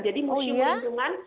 jadi museum lingkungan